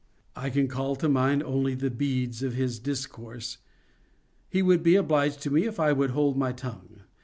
I can call to mind only the heads of his discourse. He would be obliged to me if I would hold my tongue.